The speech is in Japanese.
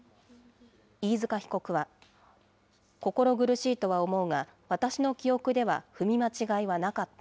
飯塚被告は、心苦しいとは思うが、私の記憶では踏み間違いはなかった。